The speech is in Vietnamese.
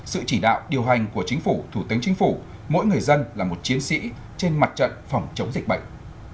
sự chỉ đạo điều hành của chính phủ thủ tướng chính phủ mỗi người dân là một chiến sĩ trên mặt trận phòng chống dịch bệnh